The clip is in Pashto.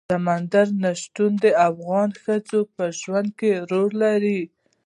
سمندر نه شتون د افغان ښځو په ژوند کې رول لري.